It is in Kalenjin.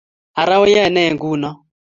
Ara oyaene nguno?